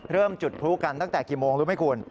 จุดพลุกันตั้งแต่กี่โมงรู้ไหมคุณ